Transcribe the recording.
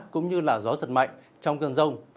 cũng như là gió giật mạnh trong cơn rông